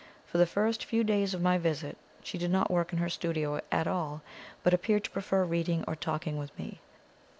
For the first few days of my visit she did not work in her studio at all, but appeared to prefer reading or talking with me.